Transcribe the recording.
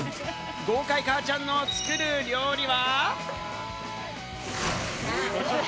豪快母ちゃんの作る料理は。